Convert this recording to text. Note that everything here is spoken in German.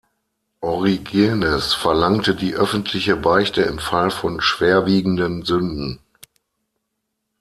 Origenes verlangte die öffentliche Beichte im Fall von schwerwiegenden Sünden.